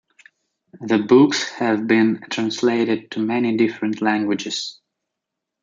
The books have been translated to many different languages.